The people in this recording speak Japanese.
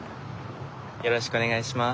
よろしくお願いします。